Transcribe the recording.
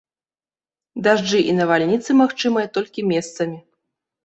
Дажджы і навальніцы магчымыя толькі месцамі.